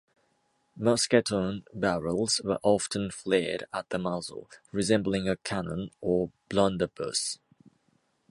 Musketoon barrels were often flared at the muzzle, resembling a cannon or blunderbuss.